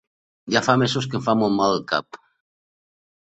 Ja fa mesos que em fa molt mal el cap.